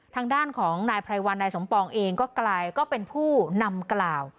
ทางด้านของนายไพรวัลนายสมปองเองก็กลายก็เป็นผู้นำกล่าว